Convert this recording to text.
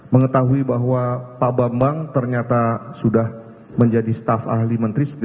mengetahui bahwa pak bambang ternyata sudah menjadi staf ahli menteri